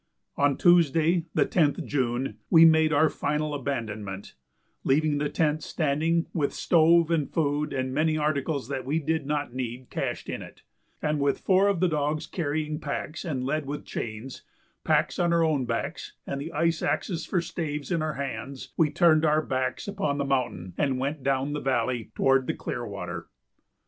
On Tuesday, the 10th June, we made our final abandonment, leaving the tent standing with stove and food and many articles that we did not need cached in it, and with four of the dogs carrying packs and led with chains, packs on our own backs and the ice axes for staves in our hands, we turned our backs upon the mountain and went down the valley toward the Clearwater.